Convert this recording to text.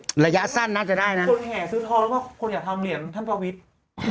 ส่วนแห่ซื้อทองแล้วก็คนอยากทำเหรียญท่านพระวิทธิ์